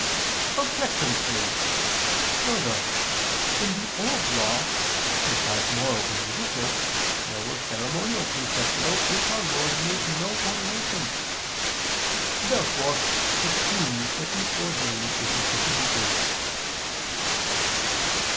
Obj. 3: Further, in the Old Law, besides moral and judicial, there were ceremonial precepts about which Our Lord made no ordination. Therefore it seems that He ordained insufficiently.